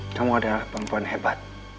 kamu adalah perempuan hebat